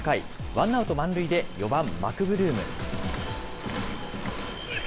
ワンアウト満塁で４番マクブルーム。